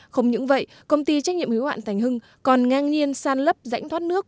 không những vậy công ty trách nhiệm hữu hạn thành hưng còn ngang nhiên san lấp rãnh thoát nước